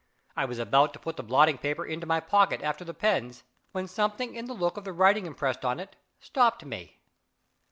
I was about to put the blotting paper into my pocket after the pens, when something in the look of the writing impressed on it, stopped me.